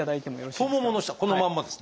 このまんまですね。